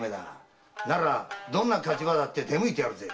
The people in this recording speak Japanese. どんな火事場だって出向いてやるぜ。